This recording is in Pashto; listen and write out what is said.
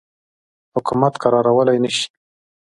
حکومت کرارولای نه شي.